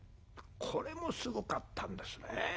これもすごかったんですね。